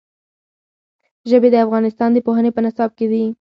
ژبې د افغانستان د پوهنې په نصاب کې دي.